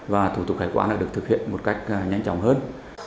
và thủ tục hải quan được thực hiện một cách nhanh chóng hơn